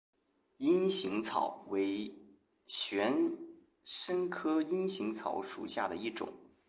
阴行草为玄参科阴行草属下的一个种。